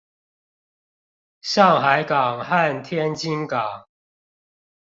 上海港和天津港